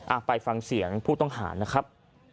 ไปฟังเสียงผู้ต้องหานะครับ